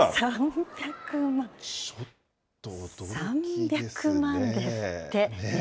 ３００万ですって。